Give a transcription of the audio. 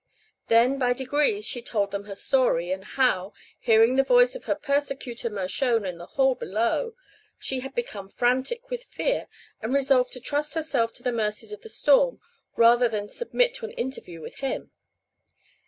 Then by degrees she told them her story, and how, hearing the voice of her persecutor Mershone in the hall below she had become frantic with fear and resolved to trust herself to the mercies of the storm rather than submit to an interview with him.